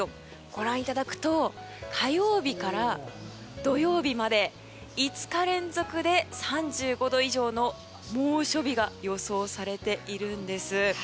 ご覧いただくと火曜日から土曜日まで５日連続で３５度以上の猛暑日が予想されているんです。